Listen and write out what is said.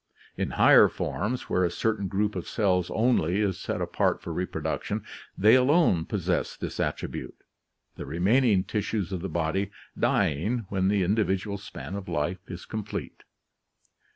In higher forms, where a certain group of cells only is set apart for reproduction, they alone possess this attribute, the remaining tissues of the body dying when the individual span of life is com plete.